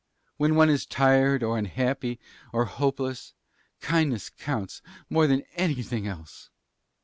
When one is tired or unhappy or hopeless, kindness counts more than anything else.